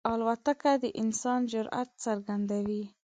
الوتکه د انسان جرئت څرګندوي.